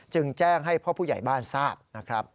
จึงแจ้งให้พ่อผู้ใหญ่บ้านทราบนะครับ